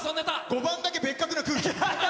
５番だけ別格な空気。